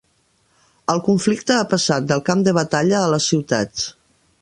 El conflicte ha passat del camp de batalla a les ciutats